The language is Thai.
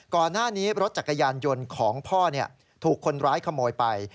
ก่อนหน้านี้รถจักรยานยนต์ของพ่อถูกคนร้ายขโมยไป